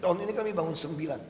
tahun ini kami bangun sembilan